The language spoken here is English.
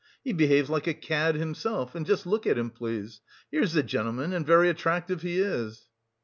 He behaves like a cad himself, and just look at him, please. Here's the gentleman, and very attractive he is!"